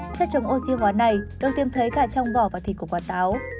chất chống oxy hóa này được tiêm thấy cả trong vỏ và thịt của quả táo